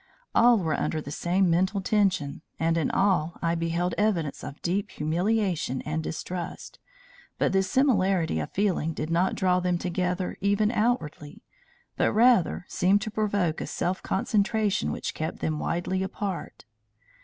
All were under the same mental tension and in all I beheld evidence of deep humiliation and distrust, but this similarity of feeling did not draw them together even outwardly, but rather seemed to provoke a self concentration which kept them widely apart.